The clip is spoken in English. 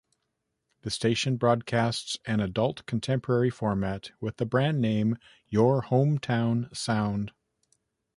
The station broadcasts an adult contemporary format with the brand name Your Hometown Sound.